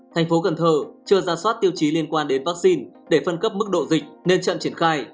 thành phố cần thơ chưa ra soát tiêu chí liên quan đến vaccine để phân cấp mức độ dịch nên chậm triển khai